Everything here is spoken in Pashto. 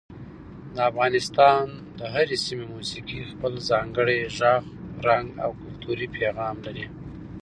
د افغانستان د هرې سیمې موسیقي خپل ځانګړی غږ، رنګ او کلتوري پیغام لري.